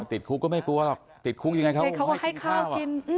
ติดคุกก็ไม่กลัวหรอกติดคุกจะยังไงเค้าไม่ให้กินข้าว